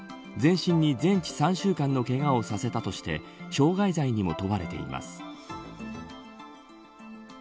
全身に全治３週間のけがをさせたとして傷害罪にも問われています。